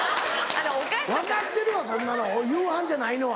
分かってるわそんなの夕飯じゃないのは。